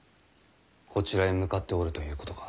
こちらへ向かっておるということか。